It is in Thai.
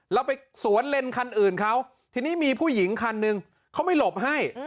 เราไปสวนเลนคันอื่นเขาทีนี้มีผู้หญิงคันนึงเขาไม่หลบให้